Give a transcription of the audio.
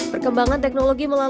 perkembangan teknologi melalui kreator